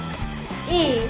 いい？